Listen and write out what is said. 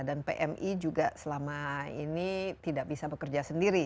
dan pmi juga selama ini tidak bisa bekerja sendiri